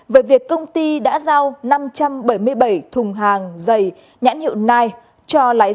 về việc công ty đã giao năm trăm bảy mươi bảy thùng hàng dày nhãn hiệu nige cho lái xe